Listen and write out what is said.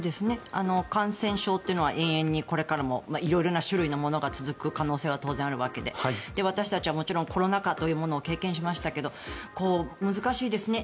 感染症というのは永遠にこれからも色々な種類のものが続く可能性は当然あるわけで私たちはコロナ禍というものを経験しましたけど難しいですね